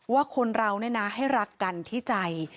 ว่าคนเราเนี่ยนะให้รักกันที่ใจ